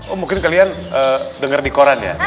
oh mungkin kalian denger di koran ya